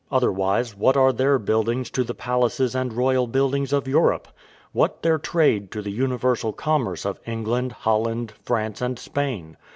Otherwise, what are their buildings to the palaces and royal buildings of Europe? What their trade to the universal commerce of England, Holland, France, and Spain?